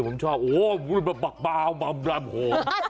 ผมชอบโอ้โอโห